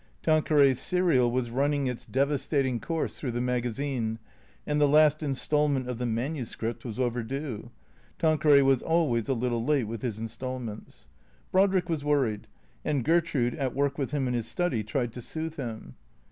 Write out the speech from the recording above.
Tanqueray's serial was running its devastating course through the magazine, and the last instal ment of the manuscript was overdue (Tanqueray was always a little late with his instalments). Brodrick was worried, and Gertrude, at work with him in his study, tried to soothe him.